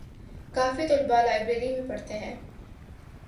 کافی طلبہ لائبریری میں پڑھتے ہیں